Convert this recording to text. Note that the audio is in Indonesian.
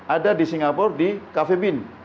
ada di singapura di cafe bin